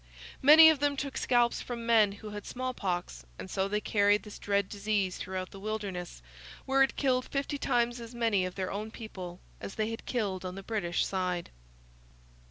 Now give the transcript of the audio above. Many of them took scalps from men who had smallpox; and so they carried this dread disease throughout the wilderness, where it killed fifty times as many of their own people as they had killed on the British side.